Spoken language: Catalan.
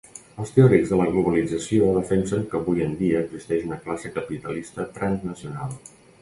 Els teòrics de la globalització defensen que avui en dia existeix una classe capitalista transnacional.